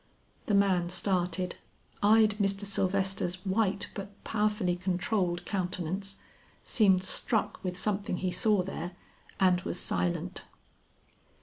The man started, eyed Mr. Sylvester's white but powerfully controlled countenance, seemed struck with something he saw there, and was silent.